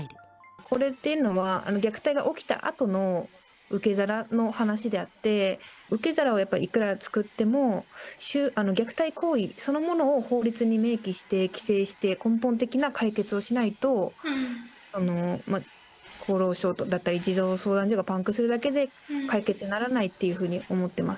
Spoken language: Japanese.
これっていうのは、虐待が起きたあとの受け皿の話であって、受け皿をやっぱりいくら作っても、虐待行為そのものを法律に明記して、規制して、根本的な解決をしないと、厚労省だったり、児童相談所がパンクするだけで、解決にならないというふうに思ってます。